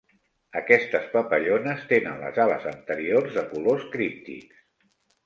Aquestes papallones tenen les ales anteriors de colors críptics.